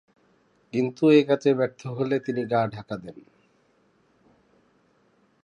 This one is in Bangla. কিন্তু একাজে ব্যর্থ হলে তিনি গা ঢাকা দেন।